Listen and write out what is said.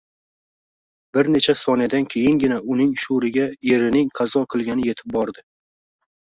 Bir necha soniyadan keyingina uning shuuriga erining qazo qilgani etib bordi